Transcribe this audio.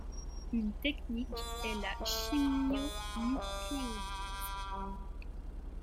Une technique est la chimionucléolyse.